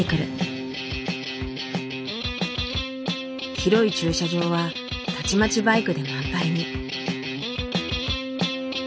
広い駐車場はたちまちバイクで満杯に。